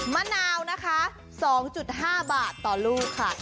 มะนาวนะคะ๒๕บาทต่อลูกค่ะ